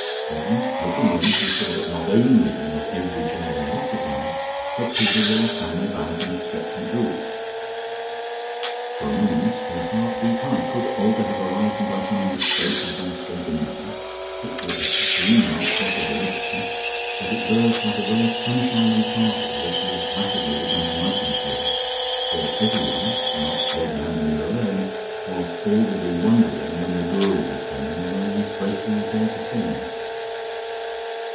Then, looking in, she saw that not only was every chair there occupied, but people were standing about in expectant groups. For a moment, her heart beat high.... Could Olga have arrived and by some mistake have gone straight in there? It was a dreamlike possibility, but it burst like a ray of sunshine on the party that was rapidly becoming a nightmare to her, for everyone, not Lady Ambermere alone, was audibly wondering when the Guru was coming, and when Miss Bracely was going to sing.